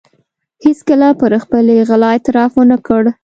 هېڅکله پر خپلې غلا اعتراف و نه کړ.